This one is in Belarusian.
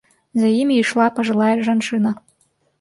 За імі ішла пажылая жанчына.